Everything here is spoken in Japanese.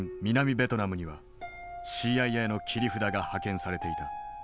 ベトナムにはＣＩＡの切り札が派遣されていた。